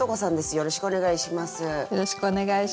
よろしくお願いします。